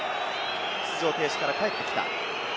出場停止から帰ってきた。